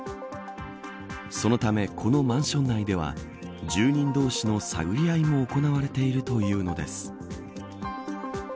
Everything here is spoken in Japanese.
そのため、このマンション内では住人同士の探り合いも行われているというのです。